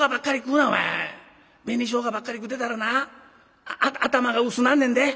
紅ショウガばっかり食うてたらな頭が薄なんねんで。